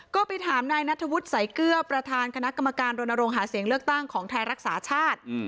ก็ไปถามนายนัทธวุฒิสายเกลือประธานคณะกรรมการรณรงค์หาเสียงเลือกตั้งของไทยรักษาชาติ